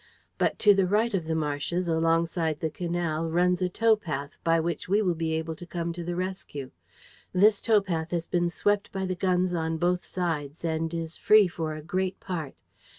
But to the right of the marshes, alongside of the canal, runs a tow path by which we will be able to come to the rescue. This tow path has been swept by the guns on both sides and is free for a great part.